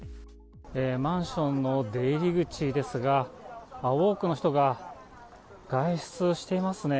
マンションの出入り口ですが、多くの人が外出していますね。